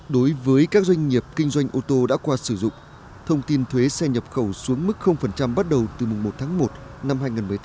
đối với các doanh nghiệp kinh doanh ô tô đã qua sử dụng thông tin thuế xe nhập khẩu xuống mức bắt đầu từ mùng một tháng một năm hai nghìn một mươi tám